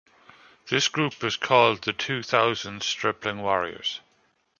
This group was called the two thousand stripling warriors.